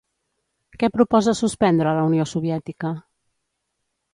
Què proposa suspendre la Unió Soviètica?